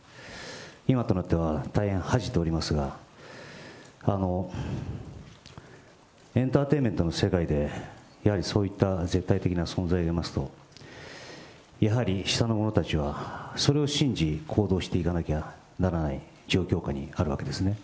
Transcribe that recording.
今となっては、大変恥じておりますが、エンターテインメントの世界で、やはりそういった絶対的な存在がおりますと、やはり下の者たちは、それを信じ行動していかなきゃならない状況下にあるわけですね。